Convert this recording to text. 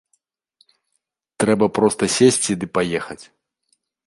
Трэба проста сесці ды паехаць.